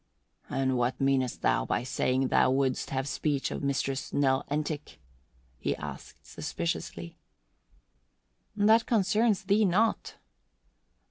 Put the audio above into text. "And what meanest thou by saying thou would'st have speech of Mistress Nell Entick?" he asked suspiciously. "That concerns thee not."